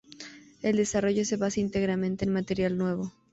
El desarrollo se basa íntegramente en material nuevo.